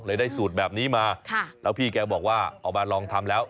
ได้สูตรแบบนี้มาแล้วพี่แกบอกว่าเอามาลองทำแล้ว